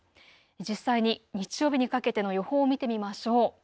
実際に日曜日にかけての予報を見てみましょう。